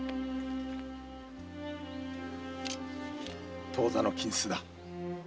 〔当座の金子だ〕